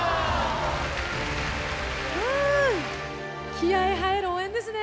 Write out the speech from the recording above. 気合い入る応援ですね！